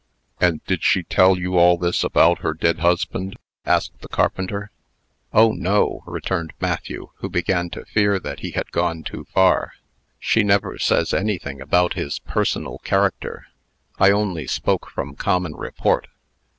"And did she tell you all this about her dead husband?" asked the carpenter. "Oh, no!" returned Matthew, who began to fear that he had gone too far. "She never says anything about his personal character. I only spoke from common report."